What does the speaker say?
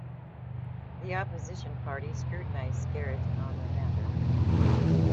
The opposition party scrutinized Skerrit on the matter.